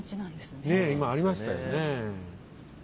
ねえ今ありましたよね。